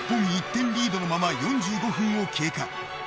１点リードのまま４５分を経過。